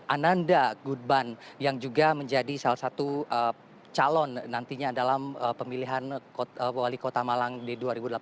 ananda gudban yang juga menjadi salah satu calon nantinya dalam pemilihan wali kota malang di dua ribu delapan belas